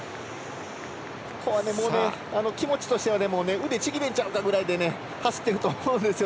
これも、気持ちとしては腕がちぎれちゃうぐらいで走っていると思うんですよ